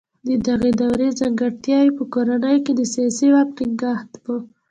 د دغې دورې ځانګړتیاوې په کورنۍ کې د سیاسي واک ټینګښت و.